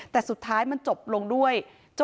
แต่สุดท้ายมันจบลงด้วย